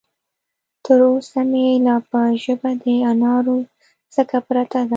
تر اوسه مې لا په ژبه د انارو څکه پرته ده.